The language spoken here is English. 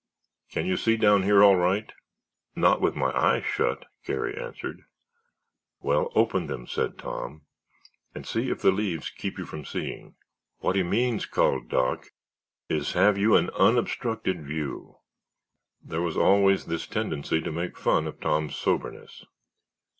"Can you see down here all right?" "Not with my eyes shut," Garry answered. "Well, open them," said Tom, "and see if the leaves keep you from seeing." "What he means," called Doc, "is, have you an unobstructed view?" There was always this tendency to make fun of Tom's soberness.